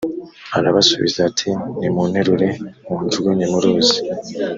arabasubiza ati nimunterure munjugunye mu ruzi